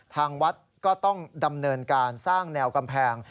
ทางวัดก็ต้องดำเนินการสร้างแนวกำแพง